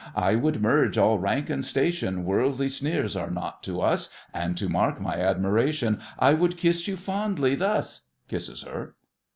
I would merge all rank and station, Worldly sneers are nought to us, And, to mark my admiration, I would kiss you fondly thus— (Kisses her.)